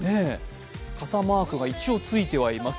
傘マークが一応ついてはいます。